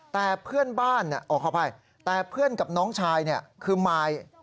แต่เพื่อนบ้านน่ะอ๋อขออภัยแต่เพื่อนกับน้องชายเนี่ยคือไมล์